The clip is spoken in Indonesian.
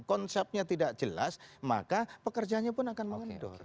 konsepnya tidak jelas maka pekerjanya pun akan mengendor